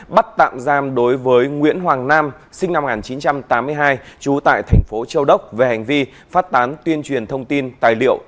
bắt tạm giam đối với nguyễn hoàng nam sinh năm một nghìn chín trăm tám mươi hai trú tại thành phố châu đốc về hành vi phát tán tuyên truyền thông tin tài liệu